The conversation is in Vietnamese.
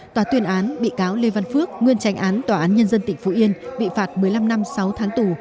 tòa tuyên án bị cáo lê văn phước nguyên tránh án tòa án nhân dân tỉnh phú yên bị phạt một mươi năm năm sáu tháng tù